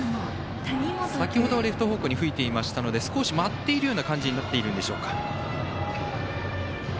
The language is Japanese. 先ほどはレフト方向に吹いていましたので少し舞っているような感じになっているんでしょうか。